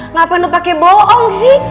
ngapain lu pake boong sih